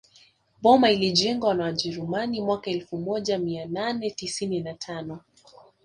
Boma ilijengwa na wajerumani mwaka elfu moja mia nane tisini na tano